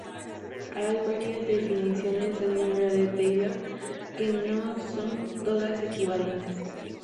Hay varias definiciones del número de Taylor que no son todas equivalentes.